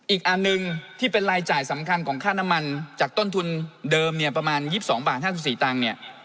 อีกอันหนึ่งที่เป็นรายจ่ายสำคัญของค่าน้ำมันจากต้นทุนเดิมเนี่ยประมาณ๒๒บาท๕๔ตังค์เนี่ย